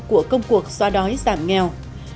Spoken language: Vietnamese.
của công cuộc xóa đói giảm nghèo